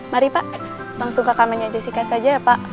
mari pak langsung ke kamarnya jessica saja pak